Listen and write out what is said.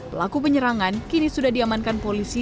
pelaku penyerangan kini sudah diamankan polisi